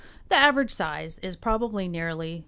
The average size is probably nearly 2.